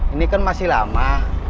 ini kan masih lama